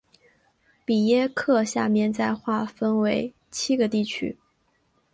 比耶克下面再划分为七个地区。